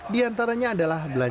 di antaranya adalah belanja